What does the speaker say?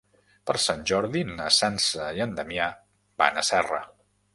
Per Sant Jordi na Sança i en Damià van a Serra.